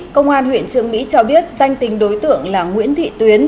công an huyện trường mỹ cho biết danh tính đối tượng là nguyễn thị tuyến